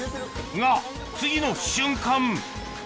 が次の瞬間